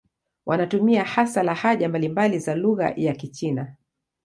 Wanatumia hasa lahaja mbalimbali za lugha ya Kichina.